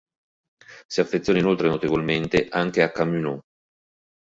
Si affeziona inoltre notevolmente anche a Calumon.